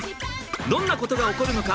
どんなことが起こるのか？